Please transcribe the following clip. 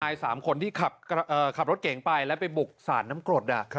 ๓คนที่ขับรถเก่งไปแล้วไปบุกสาดน้ำกรด